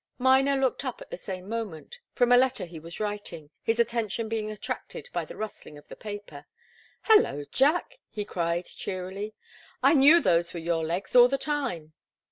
Miner looked up at the same moment, from a letter he was writing, his attention being attracted by the rustling of the paper. "Hallo, Jack!" he cried, cheerily. "I knew those were your legs all the time."